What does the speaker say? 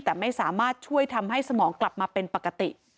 แต่ไม่สามารถช่วยทำให้สมองกลับมาเป็นปกติ